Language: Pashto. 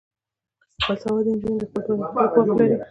باسواده نجونې د خپل برخلیک واک لري.